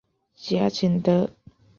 贾景德。